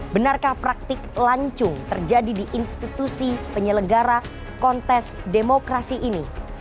benarkah praktik lancung terjadi di institusi penyelenggara kontes demokrasi ini